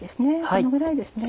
このぐらいですね。